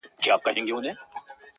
سایله اوس دي پر دښتونو عزرائیل وګوره!!